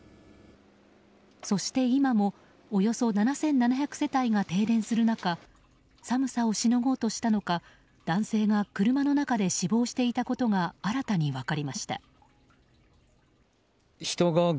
そして、今もおよそ７７００世帯が停電する中寒さをしのごうとしたのか男性が車の中で死亡していたことが新たに分かりました。